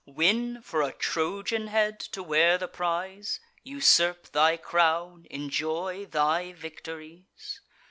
Win, for a Trojan head to wear the prize, Usurp thy crown, enjoy thy victories?